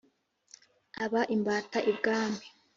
aba imbata ibwami,